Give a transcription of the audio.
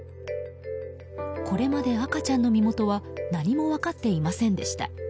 これまで赤ちゃんの身元は何も分かっていませんでした。